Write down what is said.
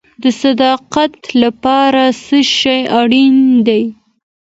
د صداقت لپاره څه شی اړین دی؟